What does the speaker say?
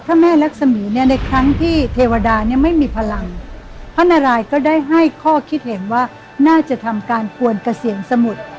พระแม่รักษมีเนี่ยในครั้งที่เทวดาเนี่ยไม่มีพลังพระนารายก็ได้ให้ข้อคิดเห็นว่าน่าจะทำการกวนเกษียณสมุทร